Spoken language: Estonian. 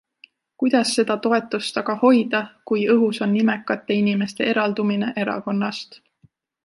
Kuidas seda toetust aga hoida, kui õhus on nimekate inimeste eraldumine erakonnast?